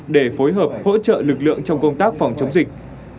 để phối hợp hỗ trợ lực lượng trong công tác phòng chống dịch